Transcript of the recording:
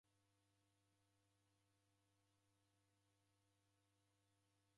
Wakua meso sa nyamandu